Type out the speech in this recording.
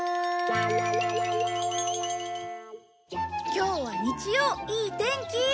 今日は日曜いい天気。